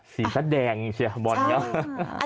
สีวะแดงจริงพี่หรอ